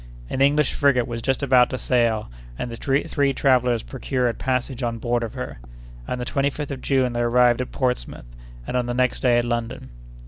An English frigate was just about to sail, and the three travellers procured passage on board of her. On the 25th of June they arrived at Portsmouth, and on the next day at London.